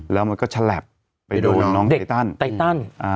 แล้วมันก็ฉลับไปโดนน้องไตตันไตตัน